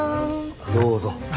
どうぞ。